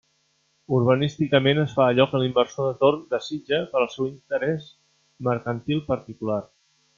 Urbanísticament es fa allò que l'inversor de torn desitja per al seu interés mercantil particular.